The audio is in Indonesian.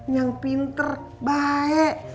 yang pinter baik